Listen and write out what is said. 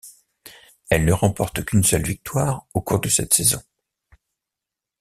Elle ne remporte qu'une seule victoire au cours de cette saison.